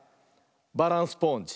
「バランスポーンジ」。